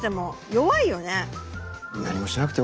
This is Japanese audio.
弱いよね。